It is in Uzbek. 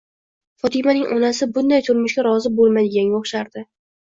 Fotimaning onasi bunday turmushga rozi bo'lmaydiganga o'xshardi.